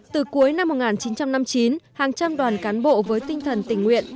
từ cuối năm một nghìn chín trăm năm mươi chín hàng trăm đoàn cán bộ với tinh thần tình nguyện